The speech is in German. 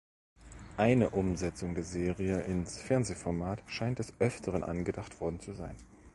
Eine Umsetzung der Serie ins Fernsehformat scheint des Öfteren angedacht worden zu sein.